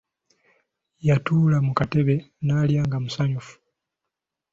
Yatuula ku katebe naalya nga musanyufu.